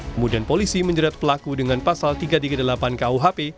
kemudian polisi menjerat pelaku dengan pasal tiga ratus tiga puluh delapan kuhp